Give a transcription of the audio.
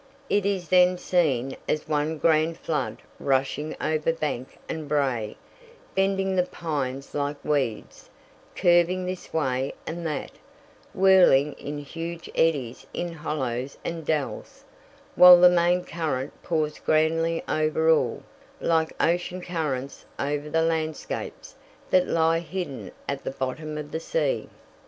It is then seen as one grand flood rushing over bank and brae, bending the pines like weeds, curving this way and that, whirling in huge eddies in hollows and dells, while the main current pours grandly over all, like ocean currents over the landscapes that lie hidden at the bottom of the sea.